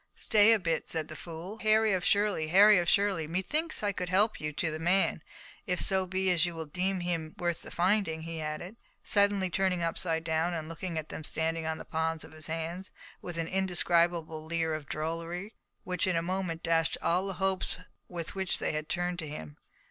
"Stay a bit," said the fool. "Harry of Shirley! Harry of Shirley! Methinks I could help you to the man, if so be as you will deem him worth the finding," he added, suddenly turning upside down, and looking at them standing on the palms of his hands, with an indescribable leer of drollery, which in a moment dashed all the hopes with which they had turned to him.